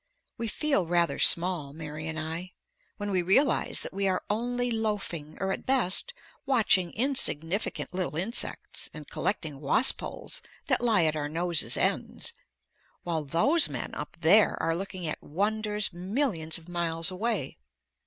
We feel rather small, Mary and I, when we realize that we are only loafing or at best watching insignificant little insects and collecting wasp holes that lie at our noses' ends, while those men up there are looking at wonders millions of miles away.